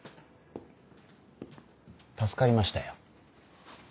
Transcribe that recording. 助かりましたよ。